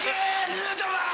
ヌートバー！